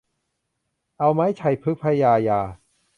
เอาไม้ไชยพฤกษ์พระยายา